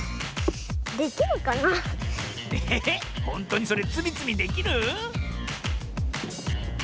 ほんとにそれつみつみできる？